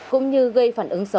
cũng như gây phản ứng xấu